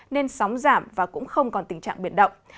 nên sóng giảm và cũng không còn tình trạng biển động